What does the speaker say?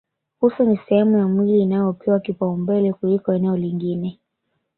Uso ni sehemu ya mwili inayopewa kipaumbele kuliko eneo lingine